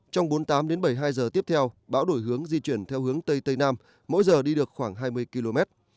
trong bốn mươi tám đến bảy mươi hai giờ tiếp theo bão đổi hướng di chuyển theo hướng tây tây nam mỗi giờ đi được khoảng hai mươi km